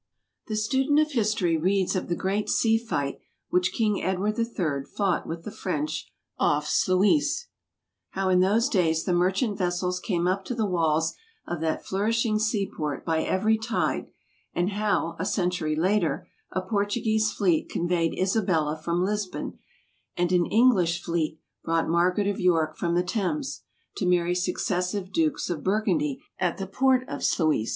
= The student of history reads of the great sea fight which King Edward III. fought with the French off Sluys; how in those days the merchant vessels came up to the walls of that flourishing sea port by every tide; and how, a century later, a Portuguese fleet conveyed Isabella from Lisbon, and an English fleet brought Margaret of York from the Thames, to marry successive Dukes of Burgundy at the port of Sluys.